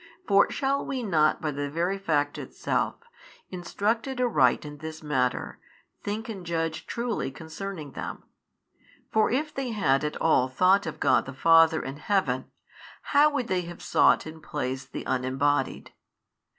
For shall we not by the very fact itself, instructed aright in this matter, think and judge truly concerning them? for if they had at all thought of God the Father in Heaven, how would they have sought in place the Unembodied?